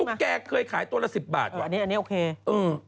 ตุ๊กแก๊กเคยขายตัวละ๑๐บาทวะ